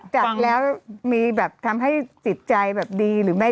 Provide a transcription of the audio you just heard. จากแล้วมีแบบทำให้จิตใจแบบดีหรือไม่